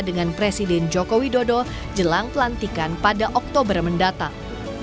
dengan presiden joko widodo jelang pelantikan pada oktober mendatang